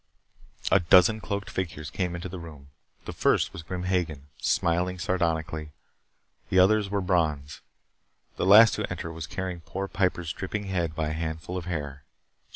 A dozen cloaked figures came into the room. The first was Grim Hagen, smiling sardonically. The others were Brons. The last to enter was carrying poor Piper's dripping head by a handful of hair.